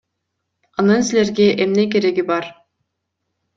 Анын силерге эмне кереги бар?